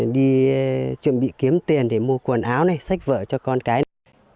đi chuẩn bị kiếm tiền để mua quần áo này sách vở cho con cái này